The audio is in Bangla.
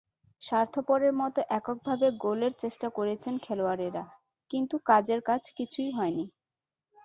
স্বার্থপরের মতো এককভাবে গোলের চেষ্টা করেছেন খেলোয়াড়েরা, কিন্তু কাজের কাজ কিছুই হয়নি।